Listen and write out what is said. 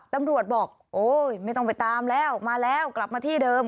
ตำรวจบอกโอ๊ยไม่ต้องไปตามแล้วมาแล้วกลับมาที่เดิม